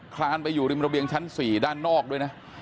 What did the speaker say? คลานไปอยู่ริมระเบียงชั้น๔ด้านนอกด้วยนะ